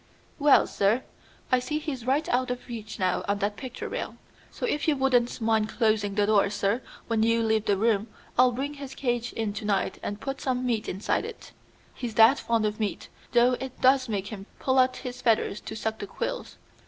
"Well, sir, I see he's right out of reach now on that picture rail, so if you wouldn't mind closing the door, sir, when you leave the room, I'll bring his cage in to night and put some meat inside it. He's that fond of meat, though it does make him pull out his feathers to suck the quills.